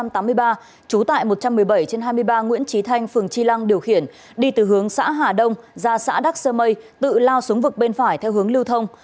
trú tại một trăm một mươi bảy trên hai mươi ba nguyễn trí thanh phường tri lăng điều khiển đi từ hướng xã hà đông ra xã đắc sơ mây tự lao xuống vực bên phải theo hướng lưu thông